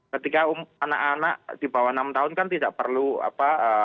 ketika anak anak di bawah enam tahun kan tidak perlu apa